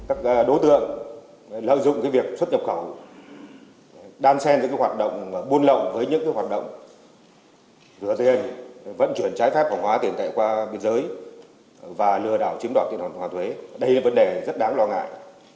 các đối tượng lợi dụng việc xuất nhập khẩu đan xen những hoạt động buôn lậu với những hoạt động vừa tiền vận chuyển trái phép hỏng hóa tiền tệ qua biên giới và lừa đảo chiếm đoạt tiền hòa thuế đây là vấn đề rất đáng lo ngại